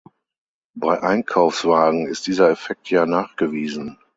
Bei Einkaufswagen ist dieser Effekt ja nachgewiesen.